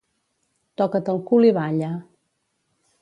Toca't el cul i balla.